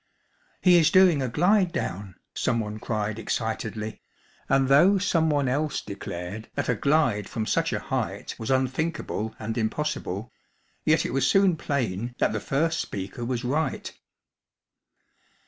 "He is doing a glide down," someone cried excitedly, and though someone else declared that a glide from such a height was unthinkable and impossible, yet it was soon plain that the first speaker was right.